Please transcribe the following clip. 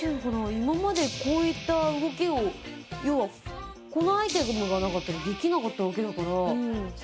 今までこういった動きを要はこのアイテムがなかったらできなかったわけだから。